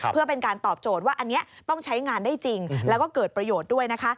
เพื่อเป็นการตอบโจทย์ว่าอันนี้ต้องใช้งานได้จริงแล้วก็เกิดประโยชน์ด้วยนะคะ